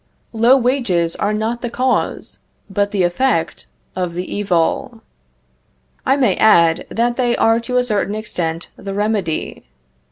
Low wages are not the cause, but the effect of the evil. I may add, that they are to a certain extent the remedy.